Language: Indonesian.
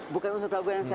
bukan unsur keraguan